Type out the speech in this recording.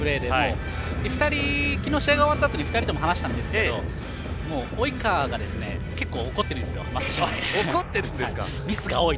昨日、試合が終わったあとに２人とも話したんですけど及川が結構、怒っているんですよ